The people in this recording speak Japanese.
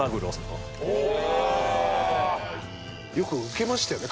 よく受けましたよね